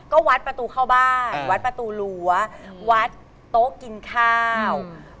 ก็วัดประตูเข้าบ้านวัดประตูรั้ววัดโต๊ะกินข้าว